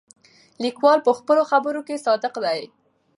لیکوال په خپلو خبرو کې صادق دی.